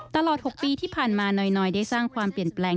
ตลอด๖ปีที่ผ่านมาน้อยได้สร้างความเปลี่ยนแปลง